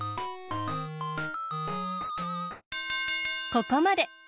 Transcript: ここまで。